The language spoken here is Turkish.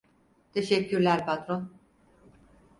Teşekkürler patron.